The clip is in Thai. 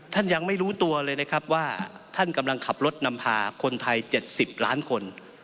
ยังไม่รู้ตัวเลยนะครับว่าท่านกำลังขับรถนำพาคนไทย๗๐ล้านคน